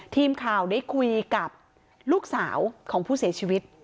ทีมข่าวได้คุยกับลูกสาวของผู้เสียชีวิต